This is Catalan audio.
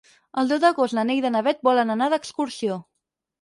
El deu d'agost na Neida i na Bet volen anar d'excursió.